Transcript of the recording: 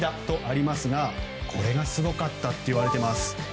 そして驚愕の一打とありますがこれがすごかったといわれています。